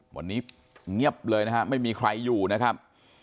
วันนี้เงียบเลยนะฮะไม่มีใครอยู่นะครับ